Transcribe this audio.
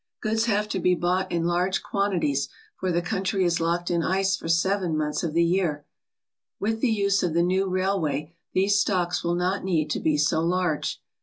Goods have to be bought in large quantities, for the country is locked in ice for seven months of the year. With the use of the new railway these stocks will not need to be so large.